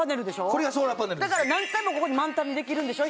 これがソーラーパネルです何回もここに満タンにできるんでしょ